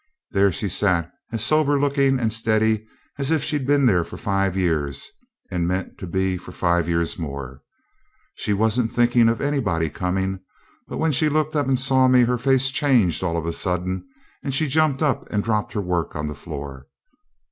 There she sat as sober looking and steady as if she'd been there for five years, and meant to be for five years more. She wasn't thinking of anybody coming, but when she looked up and saw me her face changed all of a sudden, and she jumped up and dropped her work on the floor.